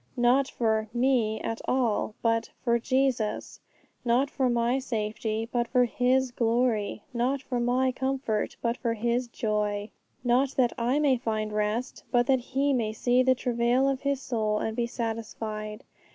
Not for 'me' at all but 'for Jesus'; not for my safety, but for His glory; not for my comfort, but for His joy; not that I may find rest, but that He may see the travail of His soul, and be satisfied!